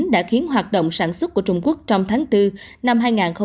đã khiến hoạt động sản xuất của trung quốc trong tháng bốn năm hai nghìn hai mươi